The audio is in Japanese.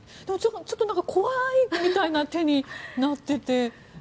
でも、ちょっと怖いみたいな手になっていて。